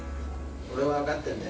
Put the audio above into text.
俺は分かってんだ。